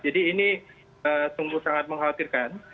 jadi ini tumbuh sangat mengkhawatirkan